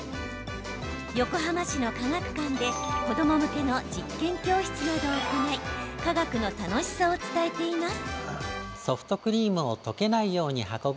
横浜市の科学館で子ども向けの実験教室などを行い科学の楽しさを伝えています。